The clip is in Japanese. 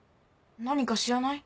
何か知らない？